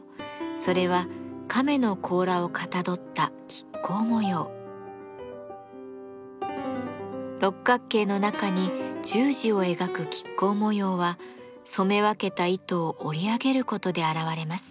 それは亀の甲羅をかたどった六角形の中に十字を描く亀甲模様は染め分けた糸を織り上げることで現れます。